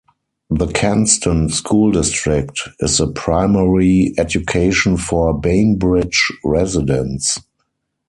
The Kenston School District is the primary education for Bainbridge residents.